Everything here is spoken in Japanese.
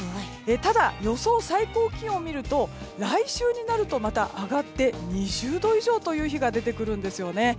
ただ、予想最高気温を見ると来週になるとまた上がって２０度以上という日が出てくるんですよね。